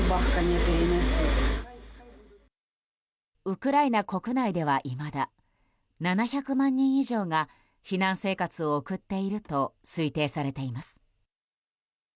ウクライナ国内ではいまだ７００万人以上が避難生活を送っていると推定されています。